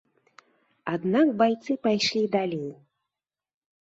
Аднак байцы пайшлі далей.